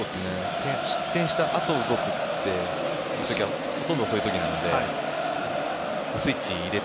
失点したあと、動く時はほとんどそういう時なので。